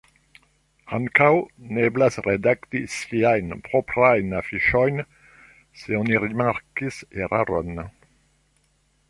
Ankaŭ ne eblas redakti siajn proprajn afiŝojn, se oni rimarkis eraron.